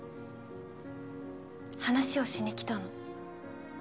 話をしにきたの。